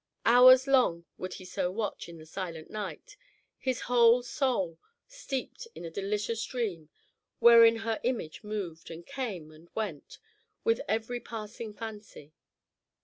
Hours long would he so watch in the silent night, his whole soul steeped in a delicious dream wherein her image moved, and came and went, with every passing fancy.